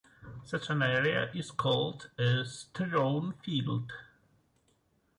Such an area is called a strewn field.